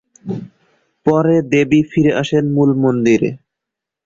পরে দেবী ফিরে আসেন মূল মন্দিরে।